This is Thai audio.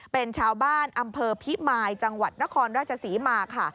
เป็นชาวบ้านอำเภอพิมายจังหวัดนครราชศรีมาค่ะ